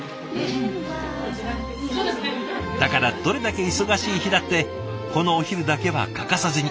だからどれだけ忙しい日だってこのお昼だけは欠かさずに。